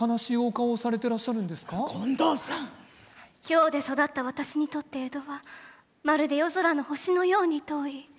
京で育った私にとって江戸はまるで夜空の星のように遠い。